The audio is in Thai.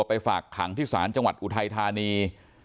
ไปฝากขังที่ศาลจังหวัดอุทัยธานี